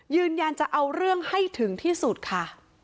ยืนยันจะเอาเรื่องให้ถึงที่สุดค่ะ